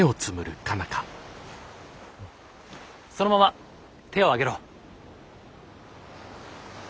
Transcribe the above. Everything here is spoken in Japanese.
そのまま手を上げろ。